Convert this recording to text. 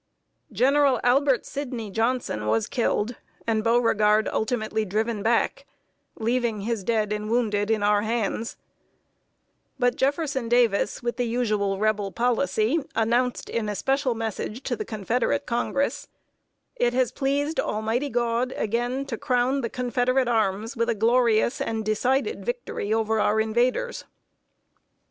General Albert Sydney Johnson was killed, and Beauregard ultimately driven back, leaving his dead and wounded in our hands; but Jefferson Davis, with the usual Rebel policy, announced in a special message to the Confederate Congress: "It has pleased Almighty God again to crown the Confederate arms with a glorious and decided victory over our invaders."